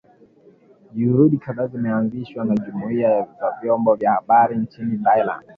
Juhudi kadhaa zimeanzishwa na jumuiya za vyombo vya habari nchini Thailand